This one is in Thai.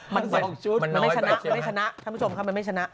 มันไม่ชนะไม่ชนะท่านผู้ชมค่ะมันไม่ชนะ